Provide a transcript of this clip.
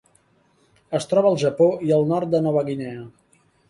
Es troba al Japó i al nord de Nova Guinea.